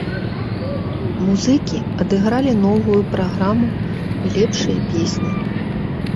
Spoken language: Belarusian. Музыкі адыгралі новую праграму і лепшыя песні.